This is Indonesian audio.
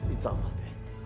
insya allah deh